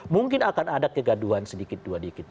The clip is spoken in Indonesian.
mungkin akan ada kegaduhan sedikit dua dikit